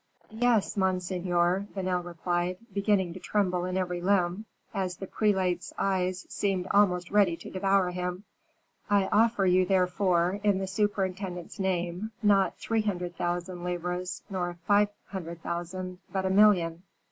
"Yes, monseigneur," Vanel replied, beginning to tremble in every limb, as the prelate's eyes seemed almost ready to devour him. "I offer you, therefore, in the superintendent's name, not three hundred thousand livres, nor five hundred thousand, but a million.